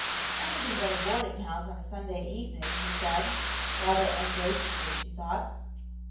"Anything but a boarding house on a Sunday evening," he said, rather ungraciously, she thought.